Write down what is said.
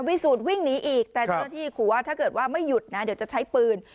วิสูจนวิ่งหนีอีกแต่เจ้าหน้าที่ขอว่าถ้าเกิดว่าไม่หยุดนะเดี๋ยวจะใช้ปืน